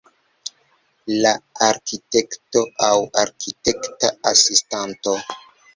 La arkitekto, aŭ arkitekta asistanto.